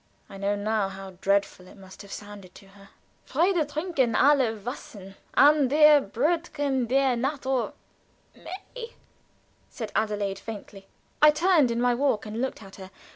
I know now how dreadful it must have sounded to her. "Freude trinken alle Wesen An den Brüsten der Natur " "May!" said Adelaide, faintly. I turned in my walk and looked at her.